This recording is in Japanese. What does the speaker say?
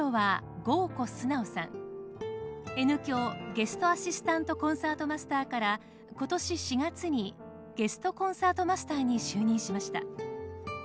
ゲスト・アシスタントコンサートマスターから今年４月にゲスト・コンサートマスターに就任しました。